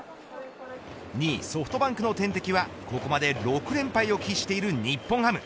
２位ソフトバンクの天敵はここまで６連敗を喫している日本ハム。